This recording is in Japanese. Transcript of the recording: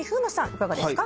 いかがですか？